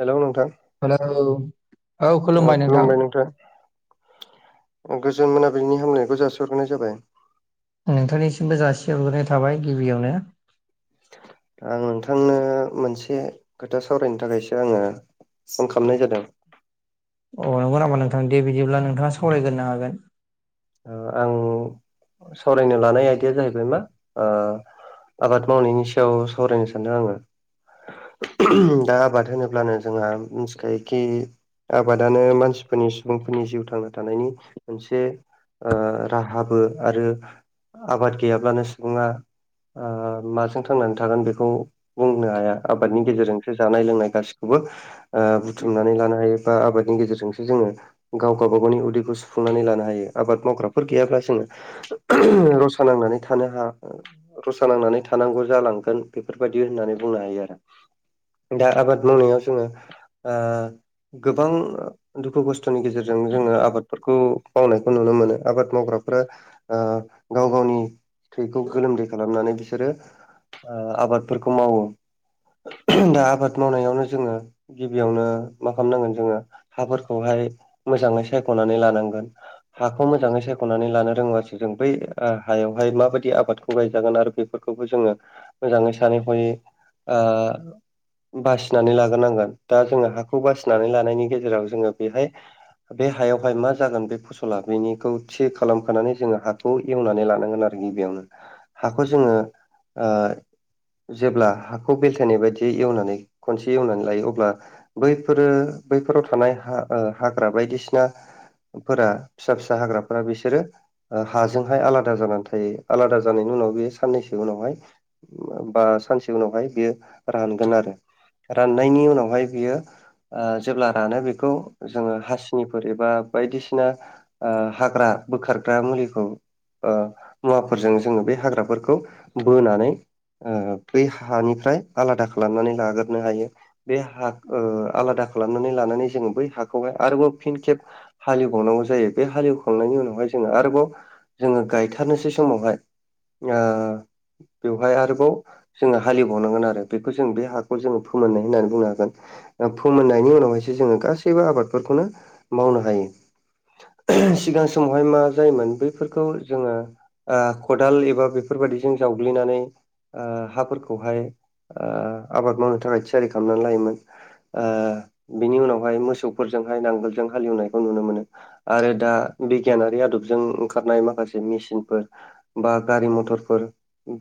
Hello नोंथां hello औ खुलुमबाय नोंथां गोजोन मोनाबिलिनि हामलनायखौ जासिहग्रोनाय जाबाय नोंथांनिसिमबो जासिहरग्रोनाय थाबाय गिबियावनो आं नोंथांनो मोनसे खोथा सावरायनो थाखायसो आङो फन खालामनाय जादों अ नंगौ नामा नोंथां दे बिदिब्ला नोंथाङा सावरायगोरनो हागोन ओ आं सावरायनो लानाय आयदाया जाहैबाय मा ओ आबाद मावनायनि सायाव सावरायनो सानदों आङो दा आबाद होनोब्लानो जोंहा मिथिखायोखि आबादानो मानसिफोरनि सुबुंफोरनि जिउ थांना थानायनि मोनसे ओ राहाबो आरो आबाद गैयाब्लानो सुबुङा ओ आबादनि गेजेरजोंसो जानाय लोंनाय गासिखौबो ओ बुथुमनानै लानो हायो बा आबादनि गेजेरजोंसो जोङो गाव- गावबा गावनि उदैखौ सुफुंनानै लानो हायो आबाद मावग्राफोर गैयाब्ला जोङो रसा नांनानै थानो हाय रसा नांनानै थानांगौ जालांगोन बेफोरबायाददि होननानै बुंनो हायो आरो दा आबाद मावनायाव जोङो गोबां दुखु खस्थ'नि गेजेरजों जोङो आबादफोरखौ मावनाय नुनो मोनो आबाद मावग्राफ्रा ओ गाव गावनि थैखौ गोलोमदै खालामनानै बिसोरो आबादफोरखौ मावो दा आबाद मावनायावनो जोङो गिबियावनो मा खालामनांगोन जोङो हाफोरखौहाय मोजाङै सायख'नानै लानांगोन हाखौ मोजाङै सायख'नानै लानो रोंबासो जों बै हायावहाय माबायदि आबादखौ गायजागोन आरो बे फोरखौबो जोङो मोजाङै सानै हयै ओ बासिनानै लाग्रोनांगोन दा जोङो हाखौ बासिनानै लानायनि गेजेराव जोङो बेहाय बे हायावहाय मा जागोन बेखौ फसला बेनिखौ थि खालामखानानै जोङो हाखौ एवनानै लानांगोन आरो गिबियावनो हाखौ जोङो ओ जेब्ला हाखौ बेलथायनाय बायदि एवनानै खनसे एवनानै लायो अब्ला बैफोरो बैफोराव थानाय हाग्रा बायदिसिनाफोरा फिसा फिसा हाग्राफोरा बिसोरो ओ हाजोंहाय आलादा जानानै थायो आलादा जानायनि उनाव बेयो साननैसो उनावहाय बा सानसे उनावहाय बियो रानगोन आरो राननायनि उनावहाय बियो ओ जेब्ला रानो बेखौ जोङो हासिनिफोर एबा बायदिसिना ओ हाग्रा बोखारग्रा मुलिखौ ओ मुवाफोरजों जोङो बे हाग्राफोरखौ बोनानै ओ बै हानिफ्राय आलादा खालामनानै लाग्रोनो हायो बे हा ओ आलादा खालामनानै लानानै जोङो बै हाखौहाय आरोबाव फिन खेब हालेवबावनांगौ जायो बे हालेवखांनायनि उनावहाय जोङो आरोबाव जोङो गायथारनोसै समावहाय ओ बेवहाय आरोबाव जोङो हालेवबावनांगोन आरो बेखौ जों बे हाखौ जोङो फोमोननाय होननानै बुंनो हागोन ओ फोमोननायनि उनावहायसो जोङो गासैबो आबादफोरखौनो मावनो हायो सिगां समावहाय मा जायोमोन बैफोरखौ जोङो ओ खदाल एबा बेफोरबायदिजों जावग्लिनानै ओ हाफोरखौहाय ओ आबाद मावनो थाखाय थियारि खालामनानै लायोमोन ओ बिनि उनावहाय मोसौफोरजोंहाय नांगोलजों हालेवनायखौ नुनो मोनो आरो दा बिगियानारि आदबजों ओंखारनाय माखासे मेसिनफोर बा गारि मथरफोर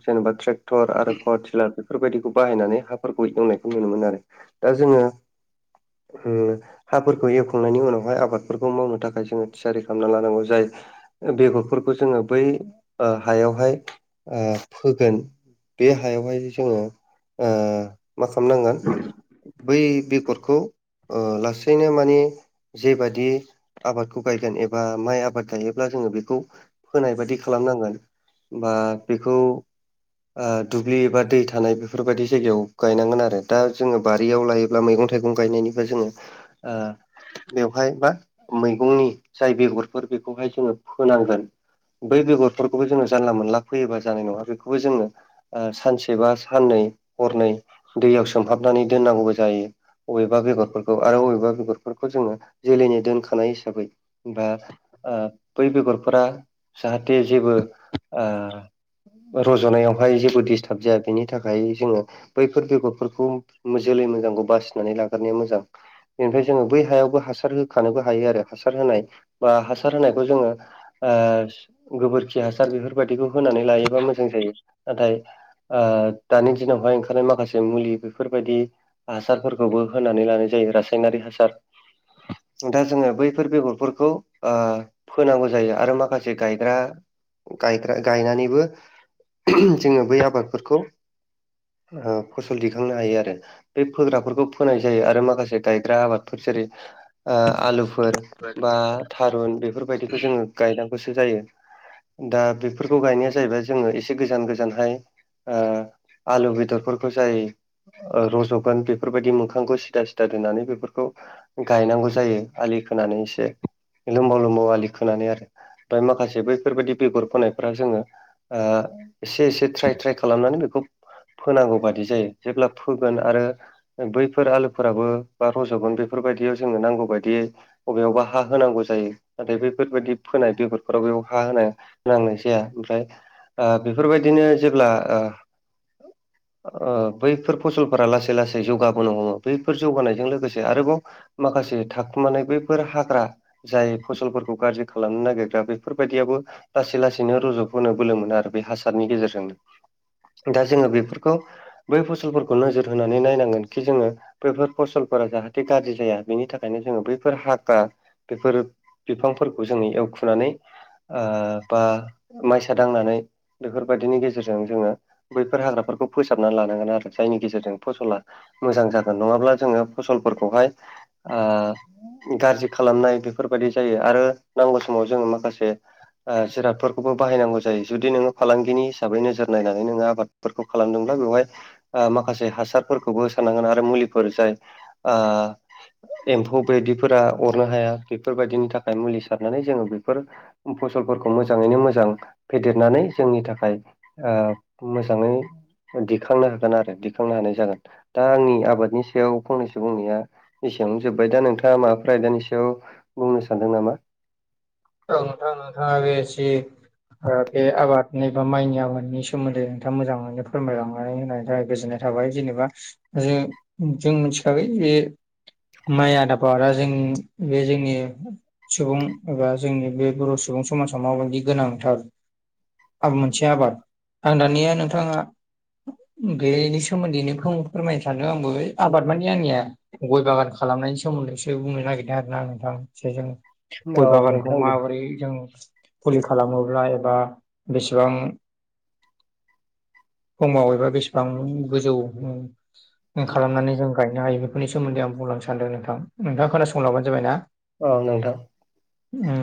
जेनेबा ट्रेक्टर आरो पावार टिलार बेफोरबायदिखौ बाहायनानै हाफोरखौ एवनायखौ नुनो मोनो आरो दा जोङो ओम हाफोरखौ एवखांनायनि उनावहाय आबादफोरखौ मावनो थाखाय जोंङो थियारि खालामना लानांगौ जाय बेगरफोरखौ जोंङो बै ओ हायावहाय ओ फोगोन। बे हायावहाय जोंङो ओ मा खालामनांगोन बै बेगरखौ ओ लासैनो मानिे जेबादि आबाद गायगोन एबा माइ आबाद गायोब्ला जोङो बेखौ होनाय बादि खालामनांगोन बा बेखौ ओ दुब्लि एबा दै थानाय बेफोरबायदि जायगायाव गायनांगोन आरो दा जोङो बारियाव लायो बा मैगं थाइगं गायनायनिफाय जोङो ओ बेवहाय बाा मै गंनि जाय बेगरफोर बेखौहाय जोङो फोनांगोन बै बेगरफोरखौबो जोंङो जानला मोनला फैयोबा जानाय नङा बेखौबो जोंङो ओ सानसे बा साननै हरनै दैयाव सोमहाबनानै दोननांगौबो जायो। बबेबा बेगरफोरखौ आरो अबेबा बेगरफोरखौ जोंङो जोलैनि दोनखानाय हिसाबै बा ओ बै बेगरफोरा जाहाथे जेबो ओ रज'नायावहाय जेबो डिस्टार्ब जाया बेनि थाखाय जोंङो बैफोर बेगरफोरखौ जोलै मोजांखौ बासिनानै लाग्रोनाया मोजां। बेनिफ्राय जोंङो बै हायावबो हासार होखानोबो हायो आरो। हासार होनाय बा हासार होनायखौ जोंङो ओ गोबोरखि हासार बेफोरबायदिखौ होनानै लायोबा मोजां जायो नाथाय ओ दानि दिनावहाय ओंखारनाय माखासे मुलि बेफोरबायदि हासारफोरखौबो होनानै लानाय जायो रासायनारि हासार दा जोंङो बै बेफोर बेगरफोरखौ ओ फोनांगौ जायो आरो माखासे गायग्रा गायग्रा गायनानैबो जोंङो बै आबादफोरखौ फसल दिखांनो हायो आरो। बे फोग्राफोरखौ फोनाय जायो आरो माखासे गायग्रा आबादफोर जेरै ओ आलुफोर बा थारुन बेफोरबायदिखौ जोंङो गायनांगौसो जायो। दा बेफोरखौ गायनाया जाहैबाय जोंङो एसे गोजान गोजानहाय ओ आलु बेदरफोरखौ जाय ओ रज'गोन बेफोरबायदि मोखांखौ सिदा सिदा दोननानै बेफोरखौ गायनांगौ जायो आलि खोनानै एसे लोमबाव लोमबाव आलि खोनानै आरो। ओमफ्राय माखासे बैफोरबायदि बेगर फोनायफ्रा जोंङो ओ एसे एसे ट्राय ट्राइ खालामनानै बेखौ फोनांगौ बादि जायो जेब्ला फोगोन आरो बैफोर आलुफोराबो बा रज'गोन बेफोरबायदियाव जोंनो नांगौ बायदि बबेयावबा - हा होनांगौ जायो नाथाय बेैफोरबायदि फोनाय बेगरफोराव बेयाव हा होना नांनाय जाया ओमफ्राय ओ बेफोरबायदिनो जेब्ला ओ ओ बैफोर फसलफोरा लासै लासै जौगाबोनो हमो बैफोर जौगानायजों लोगोसे आरोबाव माखासे थाखुमानाय बेफोर हा ग्रा जाय फसलफोरखौ गाज्रि खालामनो नागिरग्रा बेफोरबायदियाबो लासै लासैनो रुज बोनो बोलो मोनो आरो बे हासारनि गेजेरजोंनो। दा जोंङो बेफोरखौ बै फसलफोरखौ नोजोर होनानै नायनांगोन खि जोंङो बैफोर फसलफोरा जाहाथे गाज्रि जाया बेनि थाखायनो जोंङो बैफोर हाग्रा बेफोर बिफांफोरखौ जोंनि एवखुनानै ओ बा माइसा दांनानै। बेफोरबायदिनि गेजेरजों जोंङो बैफोर हाग्राफोरखौ फोसाबनानै लानांगोन आरो जायनि गेजेरजों फसला मोजां जागोन नंङाब्ला जोंङो फसलफोरखौहाय ओ गाज्रि खालामनाय बेफोरबायदि जायो आरो नांगौ समाव जोंङो माखासे ओ जिरादफोरखौबो बाहायनांगौ जायो जुदि नोंङो फालांगिनि हिसाबै नोजोर नायनानै नोंङो आबाद फोरखौ खालामदोंब्ला बेवहाय माखासे हासारफोरखौबो हो साननांगोन आरो मुलिफोर जाय ओ एम्फौ बायदिफोरा अरनो हाया बेफोरबायदिनि थाखाय मुलि सारनानै जोङो बेफोर फसलफोरखौ मोजांङैनो मोजां फेदेरनानै जोंनि थाखाय मोजांङै दिखांनो हागोन आरो दिखांनो हानाय जागोन। दा आंनि आबादनि सायाव फंनैसो बुंनाया एसेबां जोब्बाय। दा नोंथांङा माबाफोर ओमफ्राय दानि सायाव बुंनो सानदों नामा? औ नोंथां नोंथांङा बेसे ओ बे आबादनि बा माइनि आबादनि सोमोन्दै नोंथांङा मोजांङैनो फोरमायलांनानै होनायनि थाखाय गोजोननाय थाबाय जेनेबा ज जों मिथिखाबाय बे माइ आदाबावदा जों बे जोंनि सुबुं एबा जोंनि बे बर' सुबुं समाजाव माबायदि गोनांथार? आ मोनसे आबाद आं दानिया नोंथांङा बेनि सोमोन्दैनो फोरमायनो सानदों आंबो आबाद मानि आंनिया गय बागान खालामनायनि सोमोन्दैसो बुंनो नागिरदों आरोना नोंथां एसे जों। औ नोंथां दे। बे जों फुलि खालामोब्ला एबा बेसेबां समाव एबा बेसेबां गोजौ उम। खालामनानै जों गायनो हायो बेफोरनि सोमोन्दै आं बुंलांनो सानदों नोंथां। नोंथाङा खोनासंलाबानो जाबाय ना? औ नोंथां। उम।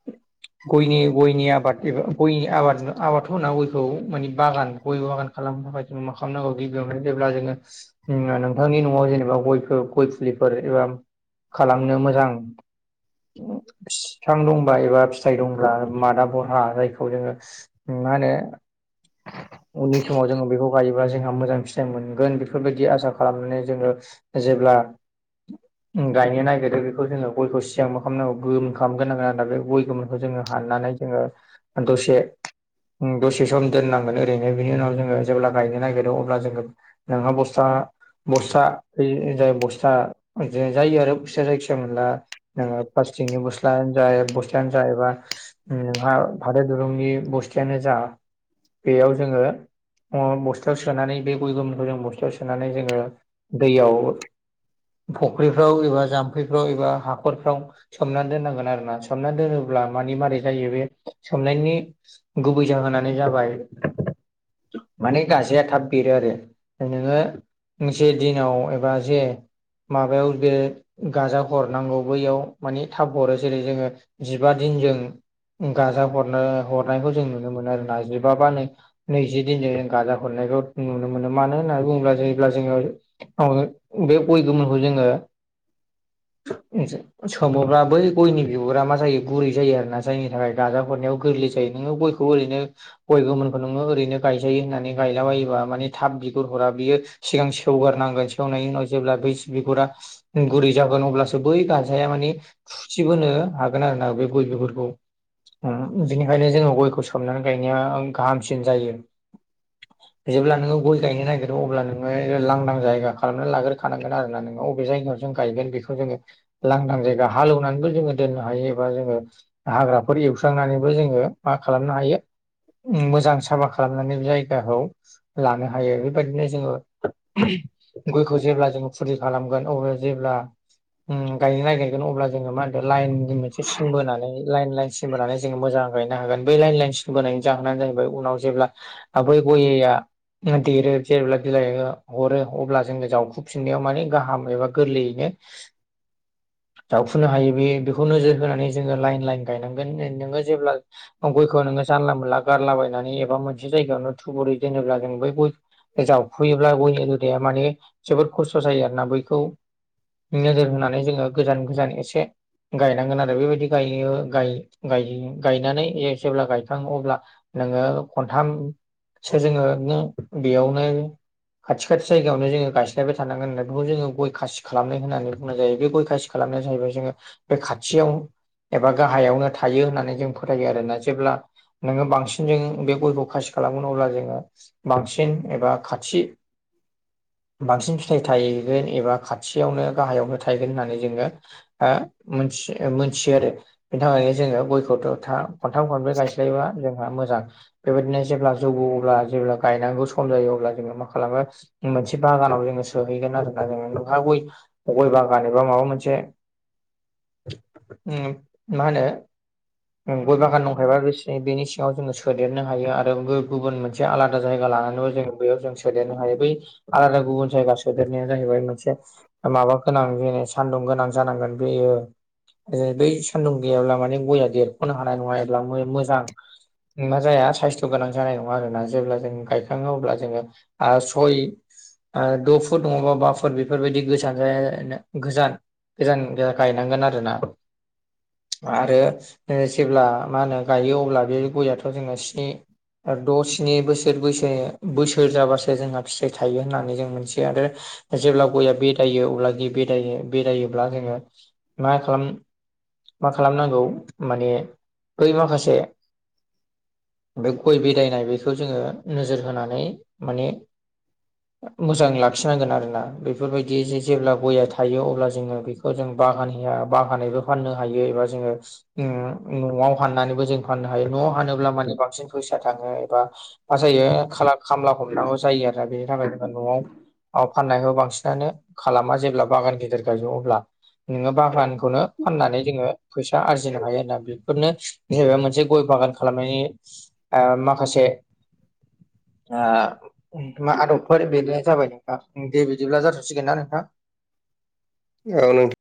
[inaudible] गयनि-गयनि आबाद एबा गयनि आबाद आबादथ' होनना गयखौ माने बागान गय बागान खालामोबा मा खालामनांगौ गिबियावनो जेब्ला जोङो नोंथांनि न'आव जेनेबा गयफोर गय फुलिफोर एबा खालामनो मोजां [unintelligible] बिफां दंबा एबा फिथाइ दंब्ला मादा बरहा जायखौ जोङो मा होनो उननि समाव जोङो बेखौ गायो बा जोंहा मोजां फिथाइ मोनगोन बेफोरबायदि आसा खालामनानै जोङो जेब्ला ओम गायनो नागिरो बेखौ जोङो गयखौ सिगां खालामनांगौ गोमोन खालामग्रोनांगोन आरो बे गय गोमोनखौ जोङो हाननानै जोङो दसे दसे सम दोननांगोन ओरैनो बिनि उनाव जोङो जेब्ला गायनो नागिरो अब्ला जोङो नोंहा बस्था बस्था जाय बस्था जायो आरो फिसा फेनला जायखिजाया मोनब्ला नोङो फ्लास्थिकनि बस्लायानो ओ जा एबा बस्थायानो जा एबा हा फाथो दुरुंनि बस्थायानो जा बेयाव जोङो बस्थायाव सोनानै बे गय गोमोनखौ जों बस्थायाव सोनानै जोङो दैयाव फुख्रिफ्राव एबा जामफैफ्राव एबा हाखरफ्राव सोमना दोननांगोन आरोना सोमना दोनोब्ला मानि मारै जायो बे सोमनायनि गुबै जाहोनानै जाबाय माने गाजाया थाब बेरो आरो, नोङो जे दिनाव एबा जे माबायाव बे गाजा हरनांगौ बैयाव माने थाब हरो जेरै जोङो जिबा दिनजों गाजा हरनो हरनायखौ जों नुनो मोनो आरो ना जिबाबा नै नैजि दिनजों जों गाजा हरनायखौ नुनो मोनो मानो होननानै बुङोब्ला जेब्ला जोङो औ बे गयखौ गोमोनखौ जोङो सोमोब्ला बै गयनि बिगुरा मा जायो गुरै जायो आरोना जायनि थाखाय दाजा हरनायाव गोरलै जायो नोङो गय ओरैनो गय गोमोनखौ नोङो ओरैनो गायजायो होननानै गायलाबायोबा माने थाब बिगुर हरा बियो सिगां सेवगारनांगोन सेवनायनि उनाव जेब्ला बै बिगुरा गुरै जागोन अब्लासो बै गाज्रि फिथाया माने थुसिबोनो हागोन आरो ना बे गय बिगुरखौ। बिनिखायनो जोङो गयखौ सोमनानै गायनाया गाहामसिन जायो। [inaudible] जेब्ला नोङो गय गायनो नागिरो अब्ला नोङो लांदां जायगा खालामनानै लाग्रोखानांगोन आर ना नोङो अबे जायगायाव जों गायगोन बेखौ जोङो लांदां जायगा हालेवनानैबो जोङो दोननो हायो एबा जोङो हाग्राफोर एवस्रांनानैबो जोङो मा खालामनो हायो मोजां साफा खालामनानै जायगाखौ लानो हायो। बेबायदिनो जोङो गयखौ जेब्ला जोङो फुलि खालामगोन अब्ला जेब्ला उम गायनो नागिरगोन अब्ला जोङो मा होनो लाइननि मोनसे सिन बोनानै लाइन लाइन सिन सिन बोनानै जोङो मोजां गायनो हागोन बै लाइन लाइन सिन बोनायनि जाहोनानो जाहैबाय उनाव जेब्ला ओ बै गया देरो जेब्ला बिलाइ हरो अब्ला जोङो जावखुफिननायाव माने गाहाम एबा गोरलैयैनो जावखुनो हायो बे बेखौ नोजोर होनानै जोङो लाइन लाइन गायनांगोन नोङो जेब्ला गयखौ नोङो जानला मोनला गारलाबायनानै एबा मोनसे जायगायावनो थुबुरै दोनोब्ला जों बै गय जावफुयोब्ला बयनि गोदाया माने जोबोद खस्थ' जायो आरोना बैखौ नोजोर होनानै जोङो गोजान गोजान एसे गायनांगोन आरो बेबायदि ग गायनानै जेब्ला गायखाङो अब्ला नोङो खनथामसो जोङो बेयावनो खाथि खाथि जायगायावनो जोङो गायस्लायबाय थानांगोन होनना बेखौ जोङो गय खासि खालामनाय होननानै बुंनाय जायो बे गय खासि खालामनाया जाहैबाय जोङो बे खाथियाव एबा गाहायावनो थायो होननानै जों फोथायो आरोोना जेब्ला नोङो बांसिन जों बे गयखौ खासि खालामोन अब्ला जोङो बांसिन एबा खाथि बांसिन फिथाइ थायगोन एबा खाथियावनो गाहायावनो था [unintelligible] होननानै जोङो ओ मोनथि मोनथियो आरो बिनि थाखायनो जोङो [unintelligible] था खनथाम खनब्रै गायस्लायबा जोंहा मोजां बेबायदिनो जेब्ला जौग अब्ला जेब्ला गायनांगौ सम जायो अब्ला जोङो मा खालामो मोनसे बागानाव जोङो सोहैगोन आरोना जोङो नोंहा ग गय बागान मबा माबा मोनसे मा होनो गय बागान दंखायोबास बेनि सिङाव जोङो सोदेरनो हायो आरो गुबुन मोनसे एसे आलादा जायगा लानानैबो जों बेयाव जों सदेरनो हायो बै आलादा गुबुन जायगा सोदेरनाया जाहैबाय मोनसे माबा गोनां बेै सानदुं गोनां जानांगोन बेयो ज बै सान्दुं गैयाब्ला माने गयया देरख'नो हानाय नङा एब्ला मोजां मा जाया साइस्थ' गोनां जानाय नङा आरोना जेब्ला जों गायखाङो अब्ला जोङो सय द' फुट नङाबा बा फुट बेफोरबायदि गोसां जाया नो गोजान गोजान गो गायनांगोन आरो ना आरो जेब्ला मा होनो गायो अब्ला बे गया थ' जोंना सिनि द स्नि बोसोर बैसो बोसोर जाबासो जोंहा फिथाइ थायो होननानै जों मोनथियो आरो जेब्ला गया बेरायो अब्ला गि बेदायो बेरायोब्ला जोङो मा खालाम मा खालामनांगौ माने बै माखासे बे गय बिदायनाय बेखौ जोङो नोजोर होनानै माने मोजां लाखिनांगोन आरोना बेफोरबायदि जे जेब्ला गया थायो अब्ला जोङो बेखौ जों बागान होया बागानैबो फाननो हायो एबा जोङो न'आव हाननानैबो जों फाननो हायो न'आव हानोब्ला माने बांसिन फैसा थाङो एबा मा जायो खामला हमनांगौ जायो आरो बेनि थाखाय जोङ न'आव फाननायखौ बांसिनानो खालामा जेब्ला बागान गेदिर गाय अब्ला। नोङो बागानखौनो फाननानै जोङो फैसा आरजिनो हायो आरो ना। बेफोरनो जेनेबा मोनसे गय बागान खालामनायनि ओ माखासे आ मा आदबफोर बेरनाय जाबाय नोंथां। दे बिदिब्ला जाथ'सिगोन ना नोंथां? [unintelligible]